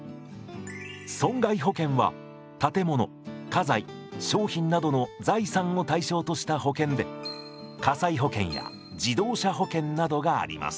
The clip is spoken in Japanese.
損害保険は建物家財商品などの財産を対象とした保険で火災保険や自動車保険などがあります。